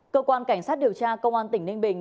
cơ quan cảnh sát điều tra công an tỉnh ninh bình